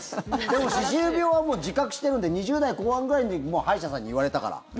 でも、歯周病はもう自覚しているので２０代後半ぐらいの時にもう歯医者さんに言われたから。